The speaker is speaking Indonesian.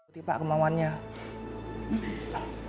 tidak ada yang mau